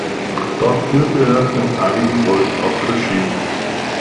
Dort führte er in einigen Folgen auch Regie.